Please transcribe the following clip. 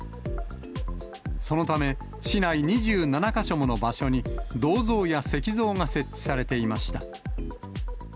そのため、市内２７か所もの場所に、銅像や石像が設置されていました。